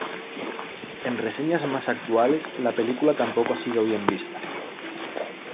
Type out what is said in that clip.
En reseñas más actuales, la película tampoco ha sido bien vista.